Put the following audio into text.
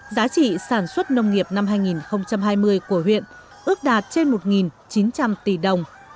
giá trị sản xuất nông nghiệp năm hai nghìn hai mươi của huyện ước đạt trên một chín trăm linh tỷ đồng